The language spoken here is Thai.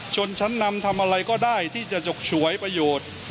ชนชั้นนำทำอะไรก็ได้ที่จะจกฉวยประโยชน์